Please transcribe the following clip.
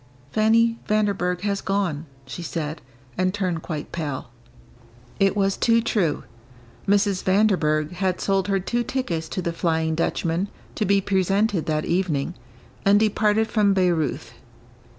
"Fanny Vanderburgh has gone," she said, and turned quite pale. It was too true. Mrs. Vanderburgh had sold her two tickets to the "Flying Dutchman," to be presented that evening, and departed from Bayreuth.